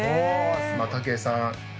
武井さん